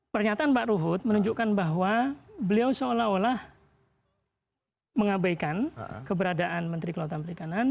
pernyataan pak ruhut menunjukkan bahwa beliau seolah olah mengabaikan keberadaan menteri kelautan perikanan